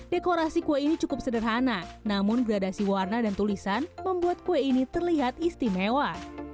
dekorasi kue ini cukup sederhana namun gradasi warna dan tulisan membuat kue ini terlihat istimewa